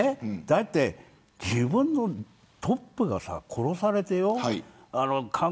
自分のトップが殺されてよ